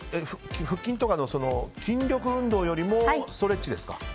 腹筋とかの筋力運動よりもストレッチですか？